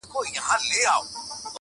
چي تا ویني همېشه به کښته ګوري!.